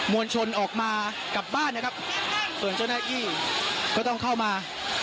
วลชนออกมากลับบ้านนะครับส่วนเจ้าหน้าที่ก็ต้องเข้ามา